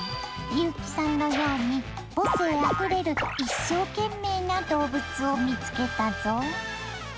優木さんのように母性あふれる一生懸命な動物を見つけたぞ！